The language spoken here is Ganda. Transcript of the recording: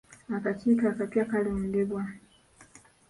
Akakiiko akapya kaalondebwa.